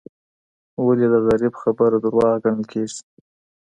ولي د غریب خبره دروغ ګڼل کیږي؟